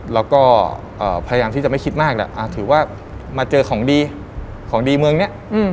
แล้วก็พยายามที่จะไม่คิดมากแหละถือว่ามาเจอของดีของดีเมืองนี้